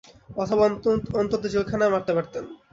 অথবা অন্তত জেলখানায় মারতে পারতেন।